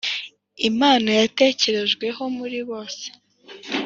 impano yatekerejweho muri bose.